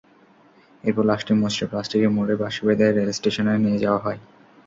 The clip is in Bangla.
এরপর লাশটি মুচড়ে প্লাস্টিকে মুড়ে বাঁশে বেঁধে রেলস্টেশনে নিয়ে যাওয়া হয়।